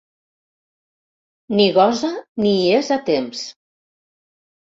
Ni gosa ni hi és a temps.